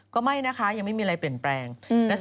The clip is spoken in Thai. ก็ไม่นะคะยังไม่มีอะไรเปลี่ยนแปลง